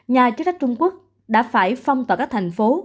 nhà chức trách trung quốc đã phải phong tỏa các thành phố